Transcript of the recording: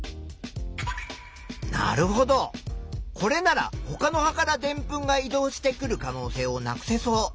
なるほどこれならほかの葉からでんぷんが移動してくる可能性をなくせそう。